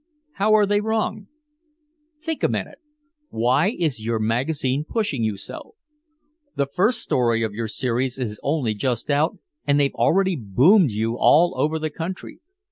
"How are they wrong?" "Think a minute. Why is your magazine pushing you so? The first story of your series is only just out and they've already boomed you all over the country.